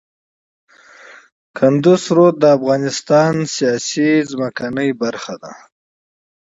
کندز سیند د افغانستان د سیاسي جغرافیه برخه ده.